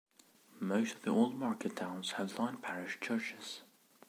Most of the old market towns have line parish churches.